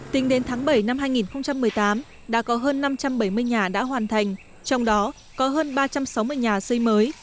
tính đến tháng bảy năm hai nghìn một mươi tám đã có hơn năm trăm bảy mươi nhà đã hoàn thành trong đó có hơn ba trăm sáu mươi nhà xây mới